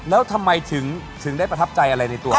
แล้วทำไมถึงได้ประทับใจอะไรในตัว